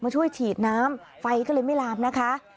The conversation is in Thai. ช่วยฉีดน้ำไฟก็เลยไม่ลามนะคะ